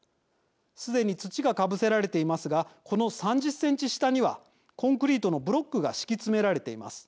すでに土がかぶせられていますがこの３０センチ下にはコンクリートのブロックが敷き詰められています。